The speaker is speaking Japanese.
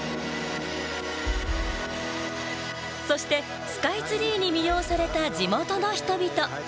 そしてスカイツリーに魅了された地元の人々。